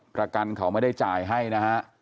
ประกันเขาไม่ได้จ่ายให้นะฮะ